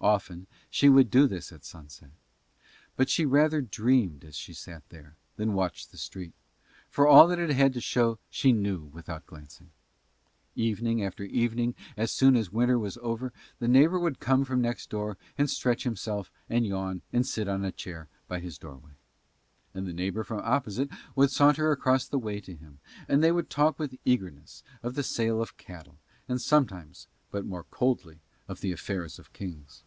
Often she would do this at sunset; but she rather dreamed as she sat there than watched the street, for all that it had to show she knew without glancing. Evening after evening as soon as winter was over the neighbour would come from next door and stretch himself and yawn and sit on a chair by his doorway, and the neighbour from opposite would saunter across the way to him, and they would talk with eagerness of the sale of cattle, and sometimes, but more coldly, of the affairs of kings.